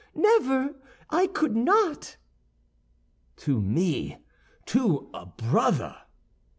never!—I could not!" "To me, to a brother?"